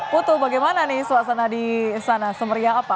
putu bagaimana nih suasana di sana semeriah apa